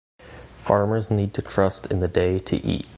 Farmers need to trust in the day to eat.